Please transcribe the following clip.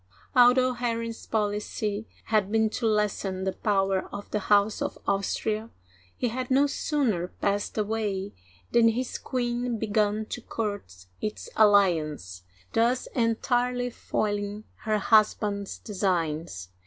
Although Henry's policy had been to lessen the power of the House of Austria, he had no sooner passed away than his queen began to court its alliance, thus entirely foiling her husband's designs.